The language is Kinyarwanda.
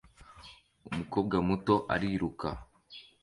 Umukobwa muto ariruka